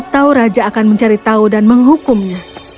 tapi setelah itu raja akan mencari tahu dan menghukumnya